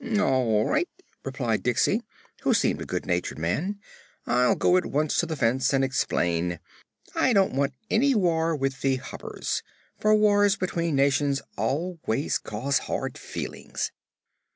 "All right," replied Diksey, who seemed a good natured man; "I'll go at once to the fence and explain. I don't want any war with the Hoppers, for wars between nations always cause hard feelings."